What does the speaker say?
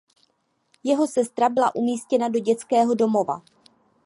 Jeho sestra byla umístěna do dětského domova.